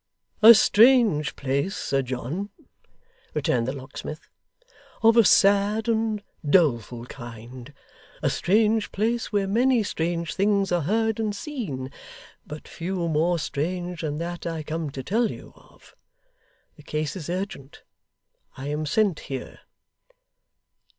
'A strange place, Sir John,' returned the locksmith, 'of a sad and doleful kind. A strange place, where many strange things are heard and seen; but few more strange than that I come to tell you of. The case is urgent. I am sent here.